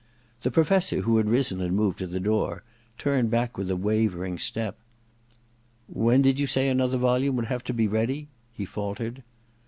The Professor, who had risen and moved to the door, turned back with a wavering step. •When did you say another volume would have to be ready i ' he faltered.